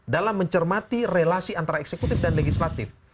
dalam mencermati relasi antara eksekutif dan legislatif